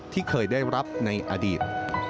ที่เคยได้รับในอดีต